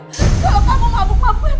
kalau kamu mabuk mabukin